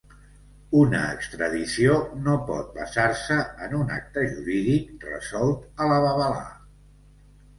Una extradició no pot basar-se en un acte jurídic resolt a la babalà.